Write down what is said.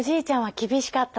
厳しかった。